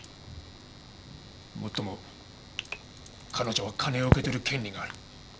もっとも彼女は金を受け取る権利がある。